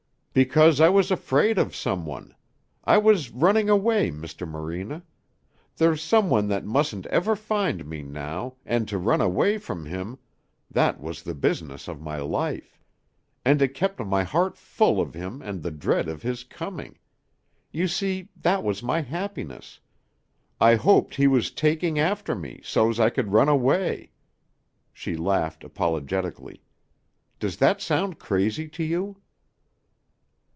"Because I was afraid of some one. I was running away, Mr. Morena. There's some one that mustn't ever find me now, and to run away from him that was the business of my life. And it kept my heart full of him and the dread of his coming. You see, that was my happiness. I hoped he was taking after me so's I could run away." She laughed apologetically. "Does that sound crazy to you?"